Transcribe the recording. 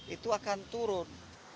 itu akan turun